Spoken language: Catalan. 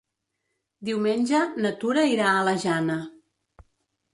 Diumenge na Tura irà a la Jana.